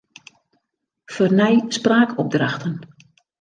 Fernij spraakopdrachten.